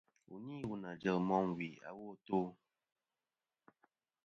Wu ni wu nà jel môm wì awo a tô.